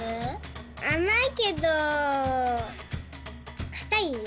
あまいけどかたいよ。